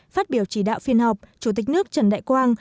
phát biểu chỉ đạo phiên họp chủ tịch nước trần đại quang